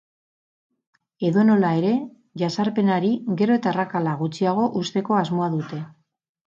Edonola here, jazarpenari gero eta arrakala gutxiago uzteko asmoa dute.